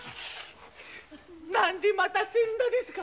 何でまた死んだですか？